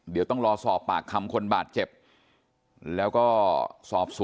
เดี๋ยวต้องรอสอบปากคำคนบาดเจ็บ